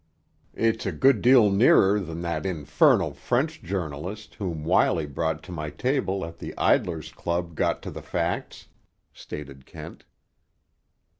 "It's a good deal nearer than that infernal French journalist whom Wiley brought to my table at the Idlers' Club got to the facts," stated Kent.